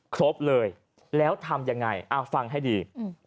ครบเลยแล้วทำยังไงฟังให้ดี